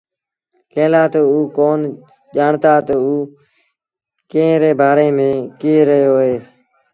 ڪݩهݩ لآ تا اوٚ ڪون ڄآڻتآ تا اوٚ ڪݩهݩ ري بآري ميݩ ڪهي رهيو اهي۔